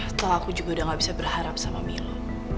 setelah aku juga udah gak bisa berharap sama milo